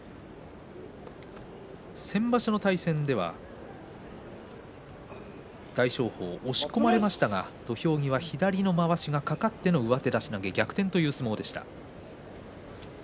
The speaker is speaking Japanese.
先場所の対戦では大翔鵬押し込まれましたが土俵際、左のまわしがかかっての上手出し投げ逆転の相撲でした。